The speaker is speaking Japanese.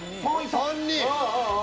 ３人！